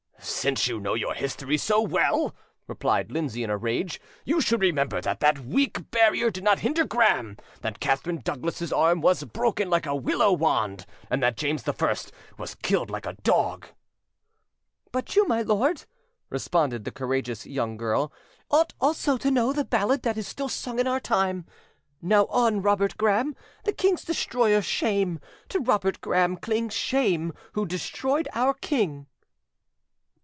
"Since you know your history so well," replied Lindsay, in a rage," you should remember that that weak barrier did not hinder Graham, that Catherine Douglas's arm was broken like a willow wand, and that James I was killed like a dog." "But you, my lord," responded the courageous young girl, "ought also to know the ballad that is still sung in our time— "'Now, on Robert Gra'am, The king's destroyer, shame! To Robert Graham cling Shame, who destroyed our king.